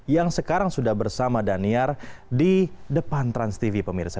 yang sekarang sudah bersama daniar di depan transtv pemirsa